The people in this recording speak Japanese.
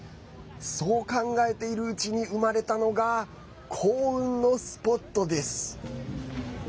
そう考えているうちに生まれたのが幸運のスポットです。